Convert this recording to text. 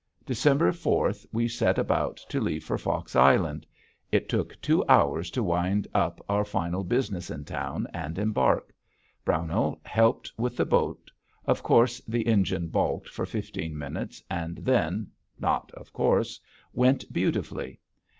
December fourth we set about to leave for Fox Island. It took two hours to wind up our final business in town and embark. Brownell helped with the boat. Of course the engine balked for fifteen minutes and then (not "of course") went beautifully.